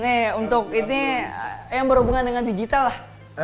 ini untuk ini yang berhubungan dengan digital lah